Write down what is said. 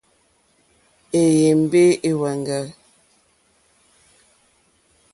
Éyěmbé é wáŋɡà.